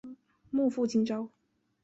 莫负今朝！